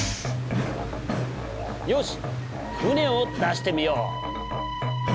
よし船を出してみよう。